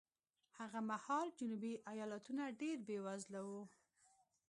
هغه مهال جنوبي ایالتونه ډېر بېوزله وو.